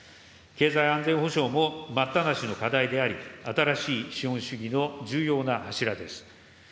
経済安全保障も待ったなしの課題であり、新しい資本主義の重要な柱です。